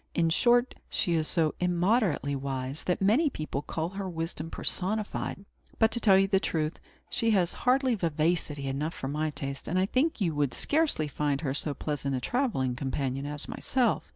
In short, she is so immoderately wise, that many people call her wisdom personified. But, to tell you the truth, she has hardly vivacity enough for my taste; and I think you would scarcely find her so pleasant a travelling companion as myself.